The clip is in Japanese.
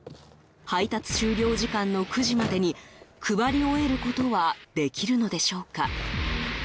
配達終了時間の９時までに配り終えることはできるのでしょうか。